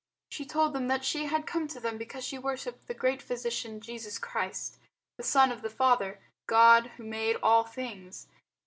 She told them that she had come to them because she worshipped the Great Physician Jesus Christ, the Son of the Father God who made all things.